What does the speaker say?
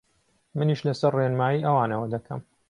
منیش لەسەر ڕێنمایی ئەوان ئەوە دەکەم